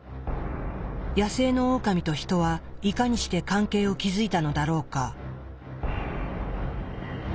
野生のオオカミとヒトはいかにして関係を築いたのだろうか？